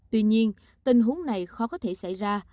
tuy nhiên tình huống này khó có thể xảy ra